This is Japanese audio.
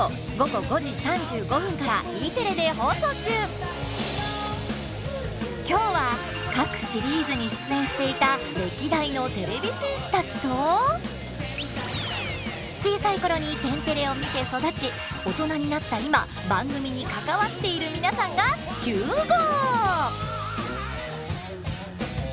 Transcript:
今は今日は各シリーズに出演していた歴代のてれび戦士たちと小さい頃に「天てれ」を見て育ちオトナになった今番組に関わっている皆さんが集合！